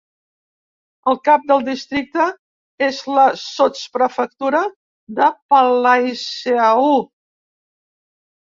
El cap del districte és la sotsprefectura de Palaiseau.